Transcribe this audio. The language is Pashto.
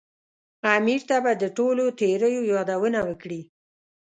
امیر ته به د ټولو تېریو یادونه وکړي.